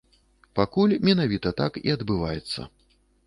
Пакуль менавіта так і адбываецца.